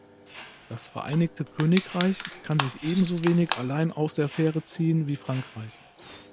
Das Vereinigte Königreich kann sich ebenso wenig allein aus der Affäre ziehen wie Frankreich.